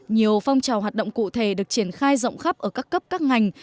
nhiều phong trào hoạt động cụ thể được triển khai rộng khắp ở các cấp các ngành